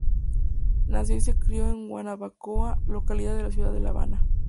Nació y se crio en Guanabacoa, localidad de la Ciudad de La Habana...